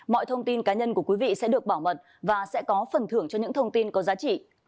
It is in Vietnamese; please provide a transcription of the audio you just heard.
mọi thông tin cá nhân của quý vị sẽ được bảo mật và sẽ có phần thưởng cho những thông tin có giá trị